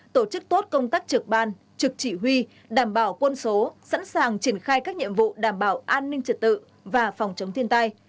tổ chức tốt công tác trực ban trực chỉ huy đảm bảo quân số sẵn sàng triển khai các nhiệm vụ đảm bảo an ninh trật tự và phòng chống thiên tai